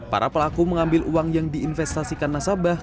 para pelaku mengambil uang yang diinvestasikan nasabah